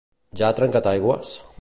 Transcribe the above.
Ja ha trencat aigües?